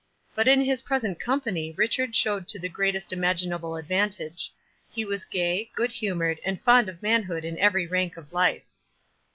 But in his present company Richard showed to the greatest imaginable advantage. He was gay, good humoured, and fond of manhood in every rank of life.